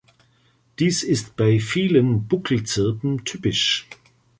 Dies ist bei vielen Buckelzirpen typisch.